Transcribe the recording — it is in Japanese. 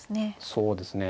そうですね。